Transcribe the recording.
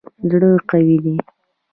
زړه قوي دی.